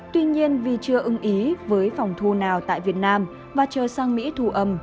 tuy nhiên vì chưa ưng ý với phòng thu nào tại việt nam và chờ sang mỹ thu âm